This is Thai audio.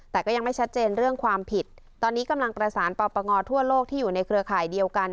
แต่ก็ยังไม่ชัดเจนเรื่องความผิดตอนนี้กำลังประสานปปงทั่วโลกที่อยู่ในเครือข่ายเดียวกัน